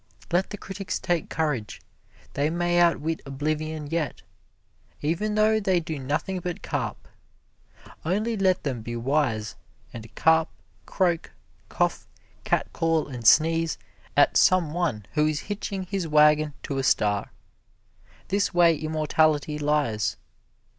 Let the critics take courage they may outwit oblivion yet, even though they do nothing but carp. Only let them be wise, and carp, croak, cough, cat call and sneeze at some one who is hitching his wagon to a star. This way immortality lies.